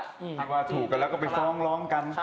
ที่ว่าถูกกันแล้วก็ไปฟ้องร้องกัน